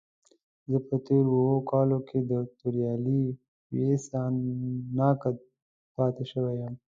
زه په تېرو اوو کالو کې د توريالي ويسا ناقد پاتې شوی يم.